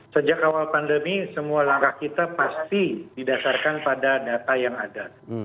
sejak awal pandemi semua langkah kita pasti didasarkan pada data yang ada